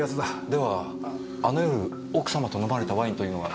ではあの夜奥様と飲まれたワインというのは。